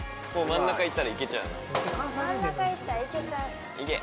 真ん中いったらいけちゃういけ！